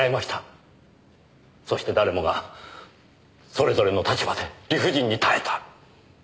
そして誰もがそれぞれの立場で理不尽に耐えた。